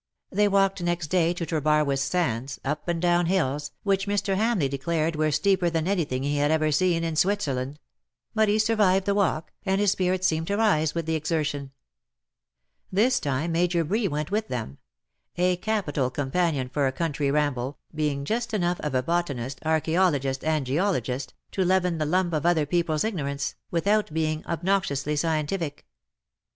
They walked next day to Trebarwith sands, up and down hills, which Mr. Hamleigh declared were steeper than anything he had ever seen in Switzerland ; but he survived the walk, and his spirits seemed to rise with the exertion. This time Major Bree went with them — a capital com panion for a country ramble, being just enough of a botanist, archseologist, and geologist, to leaven the lump of other people^s ignorance, without being obnoxiously scientific.